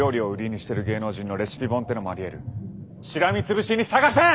しらみつぶしに探せ！